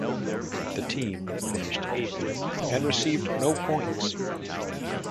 The team finished eighth and received no points.